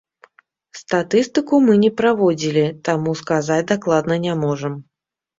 Статыстыку мы не праводзілі, таму сказаць дакладна не можам.